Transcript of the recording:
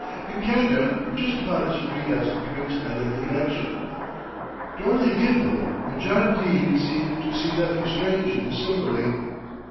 "In Can'da we're just about as free as drinks at an election." Dorothy giggled; but John Dene seemed to see nothing strange in the simile.